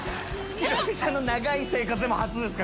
ヒロミさんの長い生活でも初ですか？